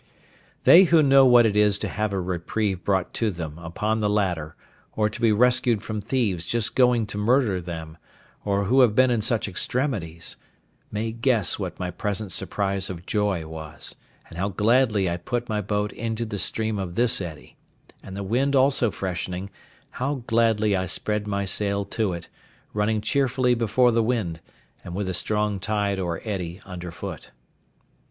They who know what it is to have a reprieve brought to them upon the ladder, or to be rescued from thieves just going to murder them, or who have been in such extremities, may guess what my present surprise of joy was, and how gladly I put my boat into the stream of this eddy; and the wind also freshening, how gladly I spread my sail to it, running cheerfully before the wind, and with a strong tide or eddy underfoot.